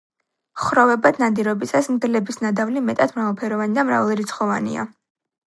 ხროვებად ნადირობისას მგლების ნადავლი მეტად მრავალფეროვანი და მრავალრიცხოვანია.